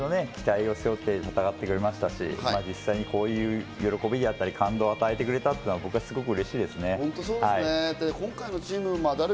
そうですね、日本中の期待を背負って戦ってくれましたし、実際に、こういう喜びであったり感動を与えてくれたっていうのがすごくうれしいですね。